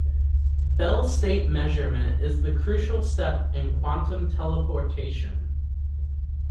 Bell-state measurement is the crucial step in quantum teleportation.